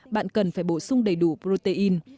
bạn cần phải bổ sung đầy đủ protein